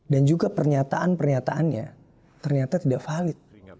dan juga pernyataan pernyataannya ternyata tidak valid